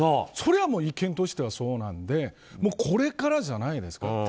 それは意見としてはそうなのでこれからじゃないですか。